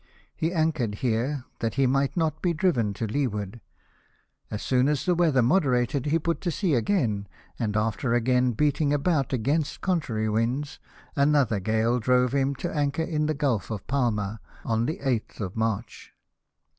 He anchored here that he might not be driven to leeward. As soon as the weather moderated he put to sea again, and after again beating about against contrary winds, another gale drove him to anchor in the Gulf of Palma on the 8 th of March.